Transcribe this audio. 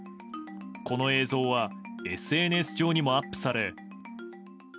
この映像はＳＮＳ上にもアップされ。